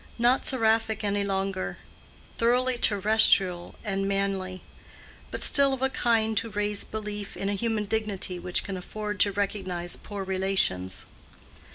Not seraphic any longer: thoroughly terrestrial and manly; but still of a kind to raise belief in a human dignity which can afford to recognize poor relations.